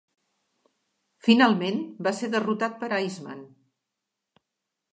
Finalment va ser derrotat per Iceman.